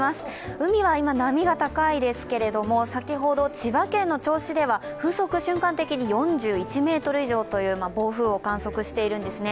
海は今、波が高いですけど先ほど千葉県の銚子では風速瞬間的に４１メートル以上という暴風を観測しているんですね。